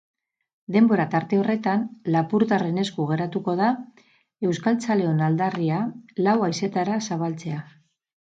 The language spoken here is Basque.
Denbora tarte horretan lapurtarren esku geratuko da euskaltzaleon aldarria lau haizetara zabaltzea.